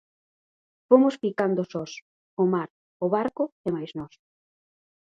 Fomos ficando sós, o mar, o barco e mais nós